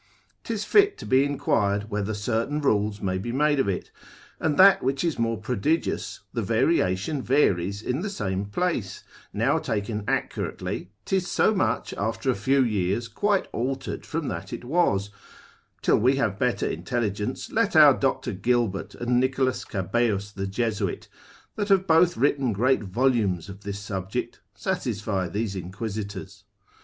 'Tis fit to be inquired whether certain rules may be made of it, as 11. grad. Lond. variat. alibi 36. &c. and that which is more prodigious, the variation varies in the same place, now taken accurately, 'tis so much after a few years quite altered from that it was: till we have better intelligence, let our Dr. Gilbert, and Nicholas Cabeus the Jesuit, that have both written great volumes of this subject, satisfy these inquisitors.